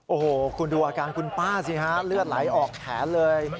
โอ้โหคุณดูอาการคุณป้าสิฮะเลือดไหลออกแขนเลย